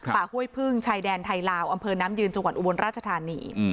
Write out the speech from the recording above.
ป่าห้วยพึ่งชายแดนไทยลาวอำเภอน้ำยืนจอราชธานี